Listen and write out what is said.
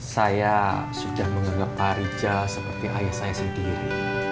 saya sudah menganggap pak rijal seperti ayah saya sendiri